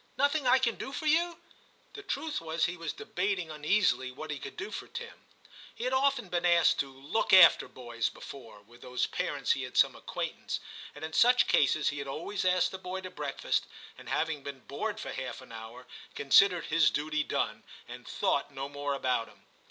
Nothing I can do for you?' The truth was he was debating uneasily what he could do for Tim. He had often been asked to 'look after' boys before, with whose parents he had some acquaintance, and in such cases he had always asked the boy to breakfast, and having been bored for half an hour, considered his duty done, and thought no more about him.